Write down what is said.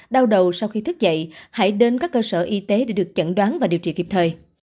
đau đầu sau khi thức dậy hãy đến các cơ sở y tế để được chẩn đoán và điều trị kịp thời